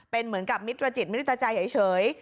เป็นเหมือนกับมิตรจิตมิตรใจเฉย